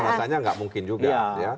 rasanya enggak mungkin juga